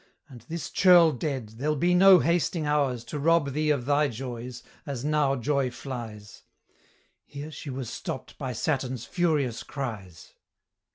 And, this churl dead, there'll be no hasting hours To rob thee of thy joys, as now joy flies": Here she was stopp'd by Saturn's furious cries.